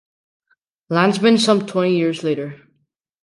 Landsman some twenty years later.